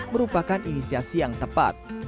merupakan inisiasi yang tepat